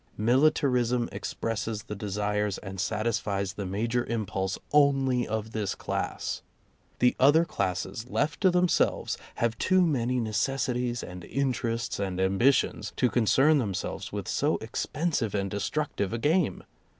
Militarism expresses the desires and satisfies the major impulse only of this class. The other classes, left to themselves, have too many necessi ties and interests and ambitions, to concern them selves with so expensive and destructive a game.